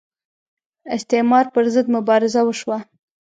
استعمار پر ضد مبارزه وشوه